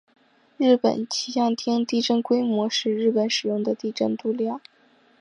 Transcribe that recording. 日本气象厅地震规模是日本使用的地震度量。